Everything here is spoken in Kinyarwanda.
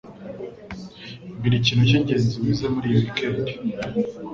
Mbwira ikintu cyingenzi wize muri iyi weekend.